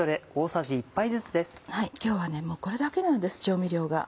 今日はこれだけなんです調味料が。